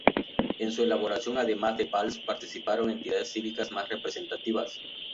En su elaboración además de Valls participaron las entidades cívicas más representativas.